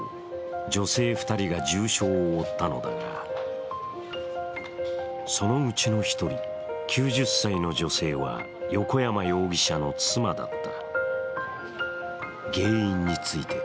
女性２人が重傷を負ったのだがそのうちの１人、９０歳の女性は横山容疑者の妻だった。